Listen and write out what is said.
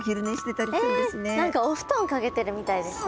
何かお布団掛けてるみたいですね。